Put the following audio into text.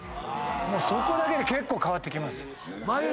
そこだけで結構変わってきます。